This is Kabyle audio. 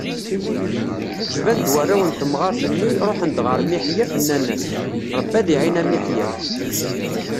Jban-d warraw n temɣart-nni, ruḥen-d ɣer Miḥyaf, nnan-as: Rebbi ad iɛin a Miḥyaf.